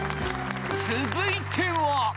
［続いては］